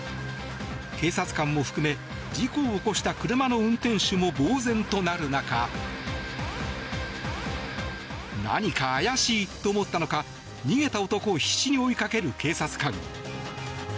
警察官も含め事故を起こした車の運転手もぼうぜんとなる中何か怪しいと思ったのか逃げた男を必死に追いかける警察官。